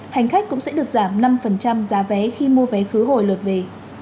hành khách cũng sẽ được giảm năm giá vé khi mua vé khứ hồi lượt về